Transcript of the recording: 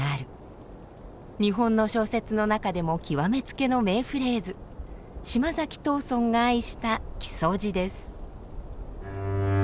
日本の小説の中でも極めつけの名フレーズ島崎藤村が愛した木曽路です。